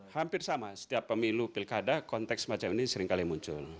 hampir sama setiap pemilu pilkada konteks macam ini seringkali muncul